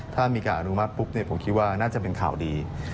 ถ้ามีการอนุมัติปุ๊บผมคิดว่าน่าจะเป็นข่าวดี